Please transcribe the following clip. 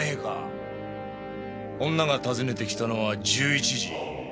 女が訪ねて来たのは１１時。